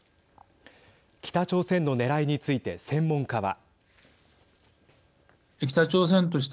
北朝鮮のねらいについて専門家は。